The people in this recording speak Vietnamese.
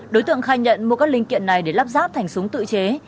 đối tượng khai nhận mua các linh kiện này để lắp ráp thành súng tự chế